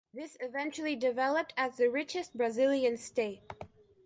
This eventually developed as the richest Brazilian state.